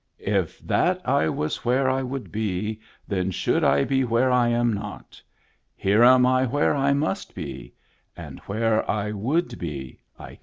If that I was where I would be, Then should I be where I am not ; Here am I where I must be, And where I would be I cannot.